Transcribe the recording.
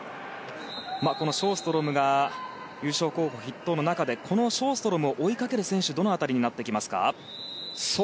このショーストロムが優勝候補筆頭の中でこのショーストロムを追いかける選手はどの辺りになってきますか？